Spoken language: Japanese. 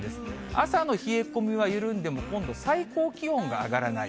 朝の冷え込みは緩んでも、今度最高気温が上がらない。